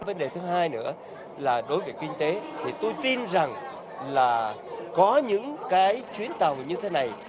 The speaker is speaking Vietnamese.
vấn đề thứ hai nữa là đối với kinh tế thì tôi tin rằng là có những cái chuyến tàu như thế này